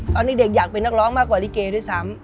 ตอนนี้เด็กอยากเป็นนักร้องมากกว่าลิเกด้วยซ้ำ